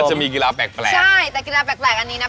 จะมีกีฬาแปลกใช่แต่กีฬาแปลกอันนี้นะ